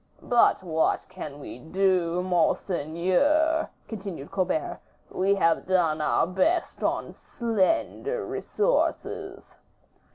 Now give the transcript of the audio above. "But what can we do, monseigneur?" continued Colbert, "we have done our best on slender resources."